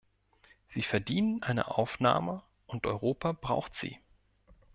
Sie verdienen eine Aufnahme und Europa braucht sie.